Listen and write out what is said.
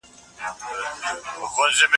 که په سر او په غوږو کي